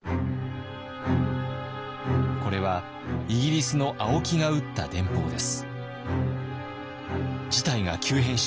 これはイギリスの青木が打った電報です。